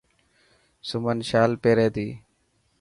سمن شال پيري تي.